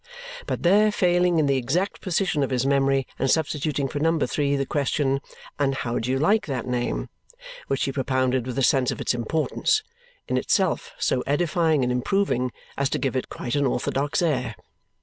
but there failing in the exact precision of his memory and substituting for number three the question "And how do you like that name?" which he propounded with a sense of its importance, in itself so edifying and improving as to give it quite an orthodox air.